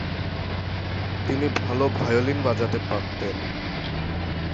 তিনি ভালো ভায়োলিন বাজাতে পারতেন।